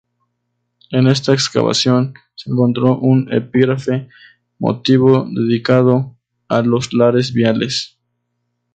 En esta excavación se encontró un epígrafe votivo dedicado a los Lares Viales.